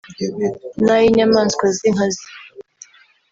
n’ay’inyamaswa z’inkazi